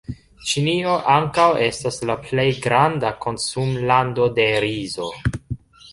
Ĉinio ankaŭ estas la plej granda konsumlando de rizo.